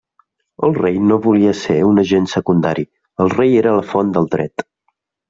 El Rei no volia ser un agent secundari, el Rei era la font del dret.